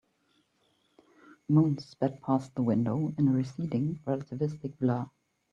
Moons sped past the window in a receding, relativistic blur.